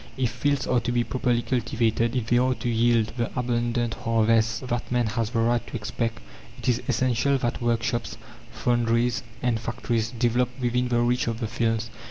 If fields are to be properly cultivated, if they are to yield the abundant harvests that man has the right to expect, it is essential that workshops, foundries, and factories develop within the reach of the fields.